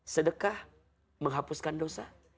sedekah menghapuskan dosa